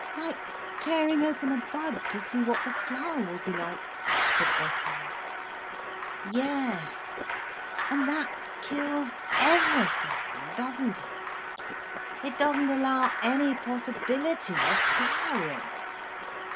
"Like tearing open a bud to see what the flower will be like," said Ursula. "Yes. And that kills everything, doesn't it? It doesn't allow any possibility of flowering."